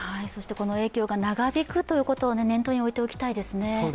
この影響が長引くことを念頭に置いておきたいですね。